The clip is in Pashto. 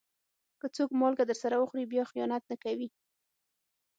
که څوک مالګه درسره وخوري، بیا خيانت نه کوي.